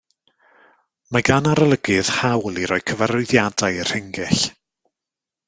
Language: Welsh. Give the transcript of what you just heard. Mae gan arolygydd hawl i roi cyfarwyddiadau i'r rhingyll.